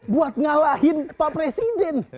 buat ngalahin pak presiden